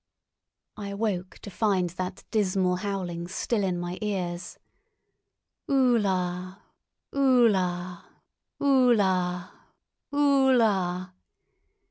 I awoke to find that dismal howling still in my ears, "Ulla, ulla, ulla, ulla."